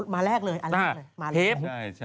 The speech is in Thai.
มาแรกเลยอันแรกเลย